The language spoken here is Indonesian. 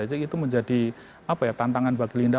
jadi itu menjadi tantangan bagi linda